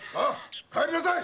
帰りなさい！